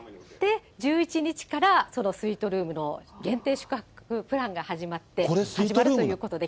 １１日からスイートルームの限定宿泊プランが始まるということで。